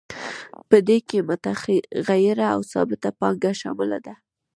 په دې کې متغیره او ثابته پانګه شامله ده